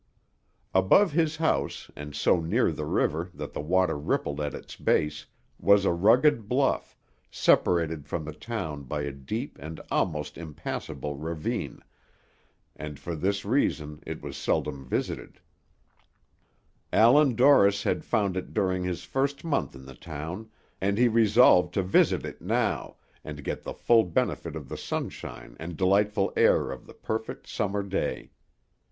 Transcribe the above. Above his house, and so near the river that the water rippled at its base, was a rugged bluff, separated from the town by a deep and almost impassable ravine, and for this reason it was seldom visited; Allan Dorris had found it during his first month in the town, and he resolved to visit it now, and get the full benefit of the sunshine and delightful air of the perfect summer day.